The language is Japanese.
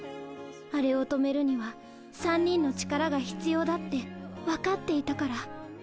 あれを止めるには三人の力が必要だって分かっていたから。